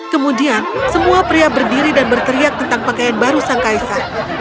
kemudian semua pria berdiri dan berteriak tentang pakaian baru sang kaisa